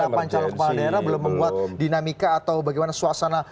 kepala daerah belum membuat dinamika atau bagaimana suasana